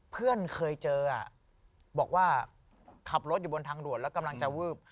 เพื่อนเคยเจอบอกว่าขับรถอยู่บนทางด่วนแล้วกำลังจะวืบ